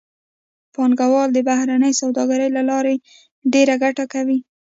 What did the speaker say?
پانګوال د بهرنۍ سوداګرۍ له لارې ډېره ګټه کوي